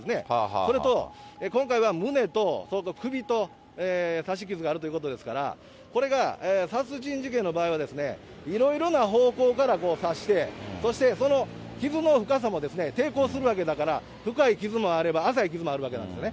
それと、今回は胸と、それと首と刺し傷があるということですから、これが殺人事件の場合は、いろいろな方向から刺して、そしてその傷の深さも抵抗するわけだから、深い傷もあれば、浅い傷もあるわけなんですね。